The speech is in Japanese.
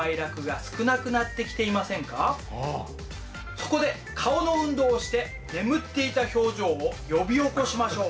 そこで顔の運動をして眠っていた表情を呼び起こしましょう。